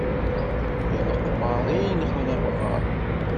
D leqmar i yenɣan amɣar.